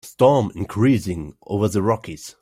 Storm increasing over the Rockies.